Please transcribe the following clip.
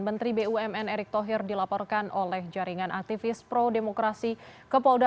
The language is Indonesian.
menteri bumn erick thohir dilaporkan oleh jaringan aktivis pro demokrasi ke polda